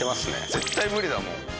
絶対無理だもん。